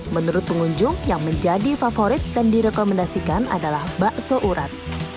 menurut pengunjung yang menjadi favorit dan direkomendasikan adalah bakso urat